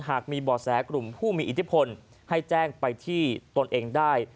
หากมีบ่อแสกลุ่มผู้มีอิทธิพลให้แจ้งไปที่ตนเองได้